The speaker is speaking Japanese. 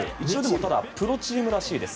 ただ、プロチームらしいです。